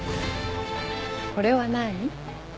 これは何？